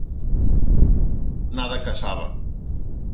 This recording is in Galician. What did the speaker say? Nada casaba.